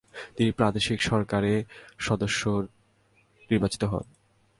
তিনি প্রাদেশিক সরকারে সদস্য নির্বাচিত হন।